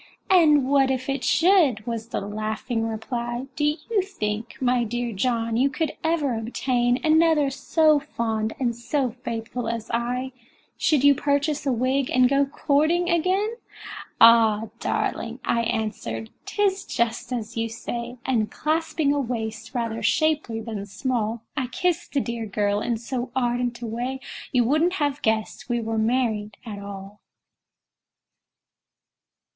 "And what if it should?" was the laughing reply; "Do you think, my dear John, you could ever obtain Another so fond and so faithful as I, Should you purchase a wig, and go courting again?" "Ah! darling," I answered, "'tis just as you say;" And clasping a waist rather shapely than small, I kissed the dear girl in so ardent a way You wouldn't have guessed we were married at all!